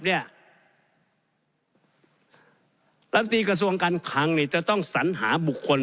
รัฐมนตรีกระทรวงการคังจะต้องสัญหาบุคคล